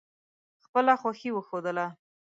خپله خوښي وښودله.